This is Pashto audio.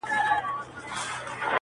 درد لا هم هماغسې پاتې دی,